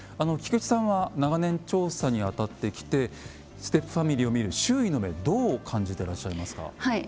菊地さんは長年調査にあたってきてステップファミリーを見る周囲の目どう感じてらっしゃいますか？